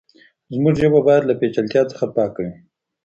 زموږ ژبه بايد له پېچلتيا څخه پاکه وي.